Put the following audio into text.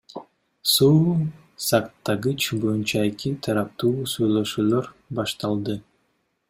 Суу сактагыч боюнча эки тараптуу сүйлөшүүлөр башталды.